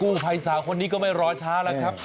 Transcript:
ภัยสาวคนนี้ก็ไม่รอช้าแล้วครับ